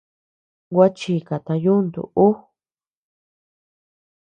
Gua chikata yuntu ú.